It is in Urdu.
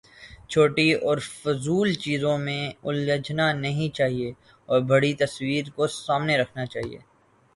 چھوٹی اور فضول چیزوں میں الجھنا نہیں چاہیے اور بڑی تصویر کو سامنے رکھنا چاہیے۔